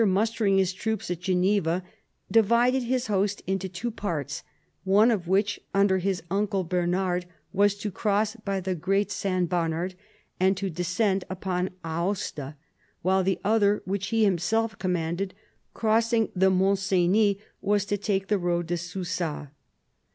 123 mustering his troops at Geneva, divided his host into two parts — one of which under his uncle Beinard was to cross by the Great St. Bernard and to de scend upon Aosta, while the other which he himself commanded, crossing the Mont Cenis, was to take the road to Susa.